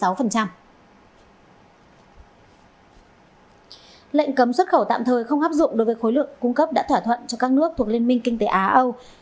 lệnh cấm xuất khẩu tạm thời không áp dụng đối với khối lượng cung cấp đã thỏa thuận cho các nước thuộc liên minh kinh tế á âu